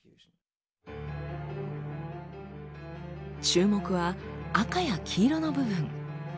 注目は赤や黄色の部分。